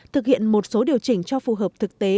thực hiện một số điều chỉnh cho phù hợp thực tế